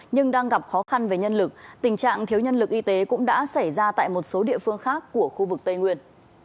nhưng đang gặp khó khăn về nhân lực tình trạng thiếu nhân lực y tế cũng đã xảy ra tại một số địa phương khác của khu vực tây nguyên